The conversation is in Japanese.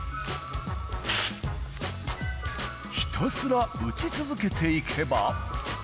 ひたすら打ち続けていけば。